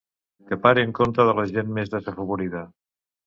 Que paren compte de la gent més desafavorida.